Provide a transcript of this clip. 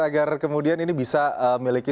agar kemudian ini bisa miliki